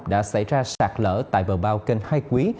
đã xảy ra sạt lở tại bờ bao kênh hai quý